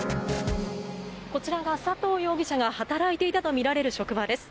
こちらが佐藤容疑者が働いていたとみられる職場です。